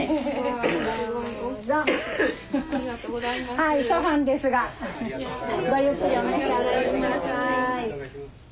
はい粗飯ですがごゆっくりお召し上がり下さい。